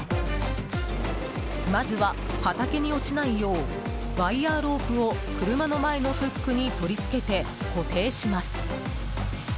まずは畑に落ちないようワイヤロープを車の前のフックに取り付けて固定します。